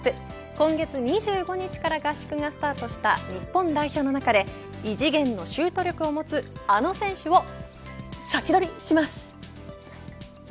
今月２５日から合宿がスタートした日本代表の中で異次元のシュート力を持つあの選手をサキドリします。